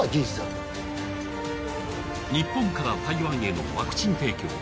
日本から台湾へのワクチン提供。